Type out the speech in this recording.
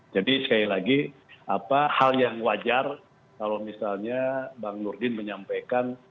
jadi sekali lagi hal yang wajar kalau misalnya bang nurdin menyampaikan